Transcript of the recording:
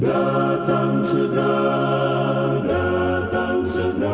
datang sedang datang sedang